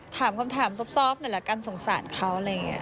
ถามคำถามซอบหน่อยละกันทรงรศาสตร์เขาอะไรเงี้ย